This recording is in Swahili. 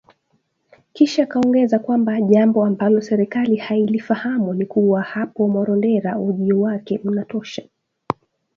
Kisha akaongeza kwamba jambo ambalo serikali hailifahamu ni kuwa hapa Marondera, ujio wake unatosha